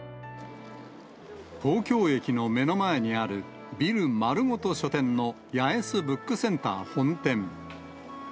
東京駅の目の前にあるビル丸ごと書店の八重洲ブックセンター本店。